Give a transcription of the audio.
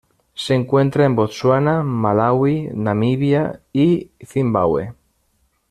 Se encuentra en Botsuana Malaui, Namibia y Zimbabue.